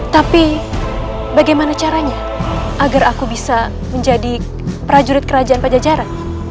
tapi bagaimana caranya agar aku bisa menjadi prajurit kerajaan pajajaran